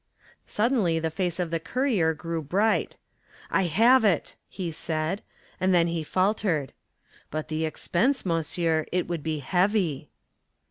Suddenly the face of the courier grew bright. "I have it," he said, and then he faltered. "But the expense, monsieur it would be heavy."